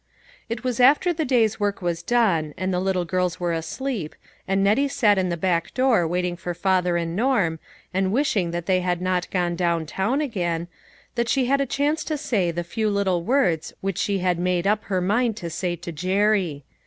It was after the day's work was done, and the little girls were asleep, and Nettie sat in the back door waiting for father and Norm, and wishing that they had not gone down town again, that she had a chance to say the few little words which she had made up her mind to say to Jerry.